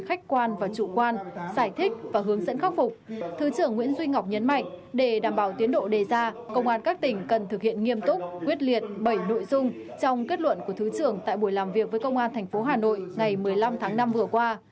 khách quan và chủ quan giải thích và hướng dẫn khắc phục thứ trưởng nguyễn duy ngọc nhấn mạnh để đảm bảo tiến độ đề ra công an các tỉnh cần thực hiện nghiêm túc quyết liệt bảy nội dung trong kết luận của thứ trưởng tại buổi làm việc với công an tp hà nội ngày một mươi năm tháng năm vừa qua